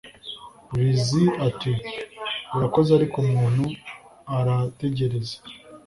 Lizzie ati Urakoze ariko umuntu arategereza